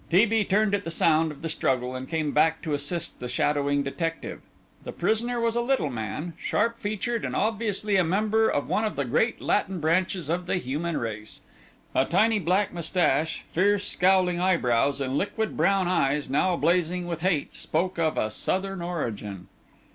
T. B. turned at the sound of the struggle and came back to assist the shadowing detective. The prisoner was a little man, sharp featured, and obviously a member of one of the great Latin branches of the human race. A tiny black moustache, fierce scowling eyebrows, and liquid brown eyes now blazing with hate, spoke of a Southern origin.